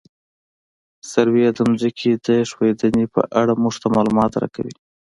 سروې د ځمکې د ښوېدنې په اړه موږ ته معلومات راکوي